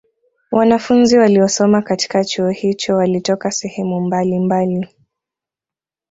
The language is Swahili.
Wanafunzi waliosoma katika Chuo hicho walitoka sehemu mbalimbali